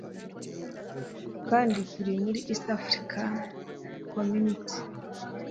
kandi turi muri East African Community